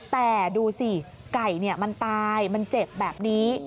แต่ดูสิไก่มันตายมันเจ็บแบบนี้